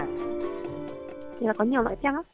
thì là có nhiều loại tem á